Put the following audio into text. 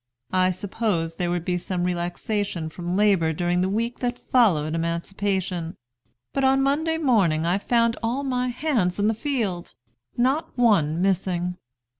I supposed there would be some relaxation from labor during the week that followed emancipation; but on Monday morning, I found all my hands in the field, not one missing.